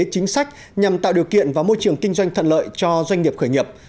chính sách nhằm tạo điều kiện và môi trường kinh doanh thuận lợi cho doanh nghiệp khởi nghiệp